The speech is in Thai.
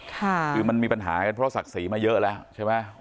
คือมันมีปัญหากันเพราะศักดิ์ศรีมาเยอะแล้วใช่ไหม